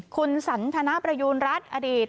คุณสันทนประยูณรัฐอดีต